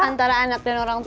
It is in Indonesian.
antara anak dan orang tua